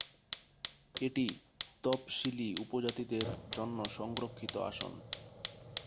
এটি তপসিলী উপজাতিদের জন্য সংরক্ষিত আসন।